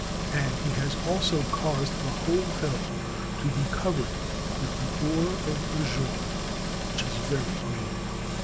And he has also caused the whole hill to be covered with the ore of azure, which is very green.